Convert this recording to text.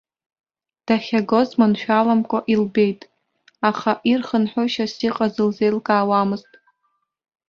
Дахьагоз маншәаламкәа илбеит, аха ирхынҳәышьас иҟаз лзеилкаауамызт.